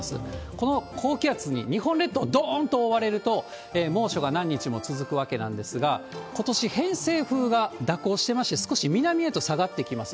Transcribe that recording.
この高気圧に日本列島、どーんと覆われると、猛暑が何日も続くわけなんですが、ことし、偏西風が蛇行してまして、少し南へと下がってきます。